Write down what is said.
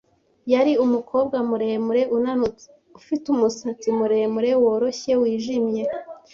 Yari umukobwa muremure, unanutse ufite umusatsi muremure, woroshye wijimye.